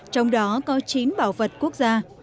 trong đó có chín bảo vật quốc gia